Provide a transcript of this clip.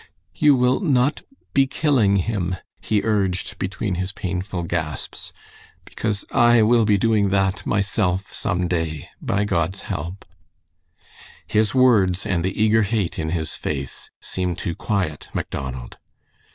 "You will not be killing him," he urged, between his painful gasps, "because I will be doing that myself some day, by God's help." His words and the eager hate in his face seemed to quiet Macdonald.